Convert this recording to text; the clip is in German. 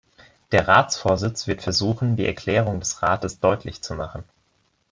Der Ratsvorsitz wird versuchen, die Erklärung des Rates deutlich zu machen.